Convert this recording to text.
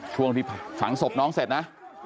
ช่วงที่ฝังศพน้องเสร็จนะ